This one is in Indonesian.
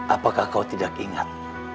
apakah kau tidak ingat